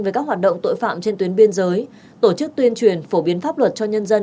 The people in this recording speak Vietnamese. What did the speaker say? với các hoạt động tội phạm trên tuyến biên giới tổ chức tuyên truyền phổ biến pháp luật cho nhân dân